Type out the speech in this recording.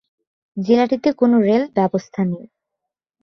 জেলাটিতে কোনো রেল ব্যবস্থা নেই।